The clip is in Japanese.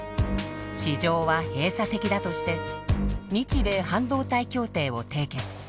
市場は閉鎖的だとして日米半導体協定を締結。